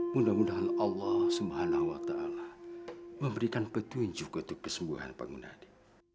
mudah mudahan allah swt memberikan petunjuk untuk kesembuhan bangunan